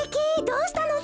どうしたの？